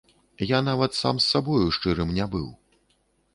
Я нават сам з сабою шчырым не быў.